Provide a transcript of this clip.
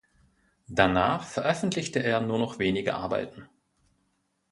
Danach veröffentlichte er nur noch wenige Arbeiten.